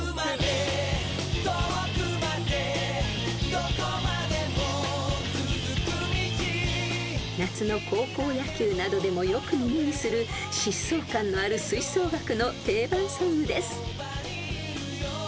「どこまでも続く道」［夏の高校野球などでもよく耳にする疾走感のある吹奏楽の定番ソングです］